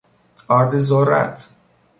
آرد ذرت